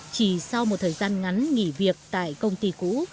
chỉ sau một thời gian ngắn nghỉ việc tại công ty cũ